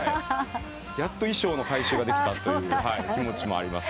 やっと衣装の回収ができたという気持ちもあります。